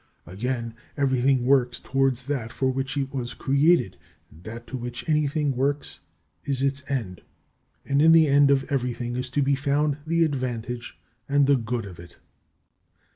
Again everything works towards that for which it was created, and that to which anything works is its end; and in the end of everything is to be found the advantage and the good of it.